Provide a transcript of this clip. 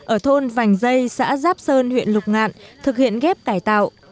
ở thôn vành dây xã giáp sơn huyện lục ngạn thực hiện ghép cải tạo